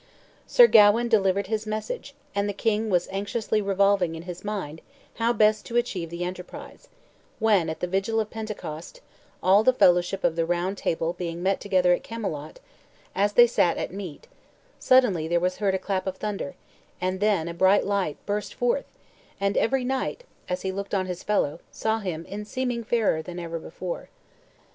Sir Gawain delivered his message, and the king was anxiously revolving in his mind how best to achieve the enterprise, when, at the vigil of Pentecost, all the fellowship of the Round Table being met together at Camelot, as they sat at meat, suddenly there was heard a clap of thunder, and then a bright light burst forth, and every knight, as he looked on his fellow, saw him, in seeming, fairer than ever before.